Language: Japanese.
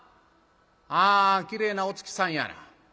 あきれいなお月さんやな。